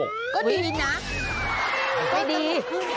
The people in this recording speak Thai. ก็ดีนะไม่ดี